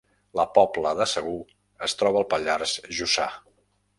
La Pobla de Segur es troba al Pallars Jussà